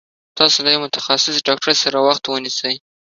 تاسو له يوه متخصص ډاکټر سره وخت ونيسي